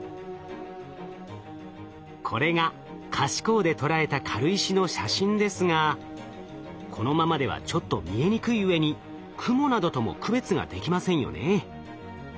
これが可視光で捉えた軽石の写真ですがこのままではちょっと見えにくいうえに雲などとも区別ができませんよね。